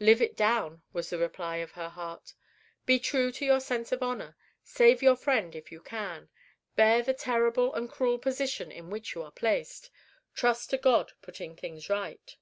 "Live it down," was the reply of her heart. "Be true to your sense of honor. Save your friend if you can. Bear the terrible and cruel position in which you are placed. Trust to God putting things right."